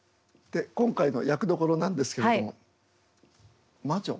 で今回の役どころなんですけれども魔女。